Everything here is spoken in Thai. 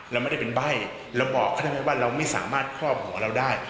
เราไม่ได้เป็นใบ้เราบอกเขาได้ไหมว่าเราไม่สามารถครอบหัวเราได้